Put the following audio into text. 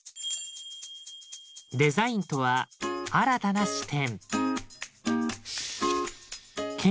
デザインとは「新たな視点」。